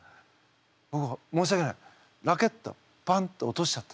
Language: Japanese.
ぼく申しわけないラケットパンッて落としちゃった。